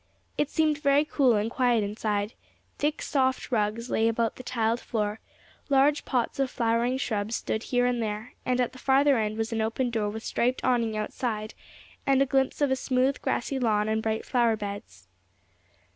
It seemed very cool and quiet inside; thick soft rugs lay about the tiled floor, large pots of flowering shrubs stood here and there, and at the farther end was an open door with striped awning outside, and a glimpse of a smooth grassy lawn and bright flower beds.